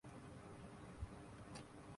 میں صرف تمہارے باپ کی وجہ سے تمہاری بکواس سن ربا